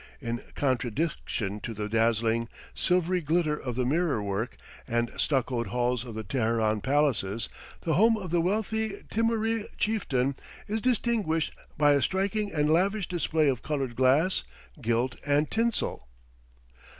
In contradistinction to the dazzling, silvery glitter of the mirror work and stuccoed halls of the Teheran palaces, the home of the wealthy Timuree Chieftain is distinguished by a striking and lavish display of colored glass, gilt, and tinsel.